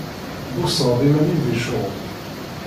Tbuṣaḍ iman-im di ccɣel.